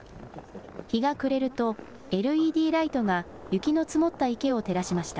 日が暮れるとＬＥＤライトが雪の積もった池を照らしました。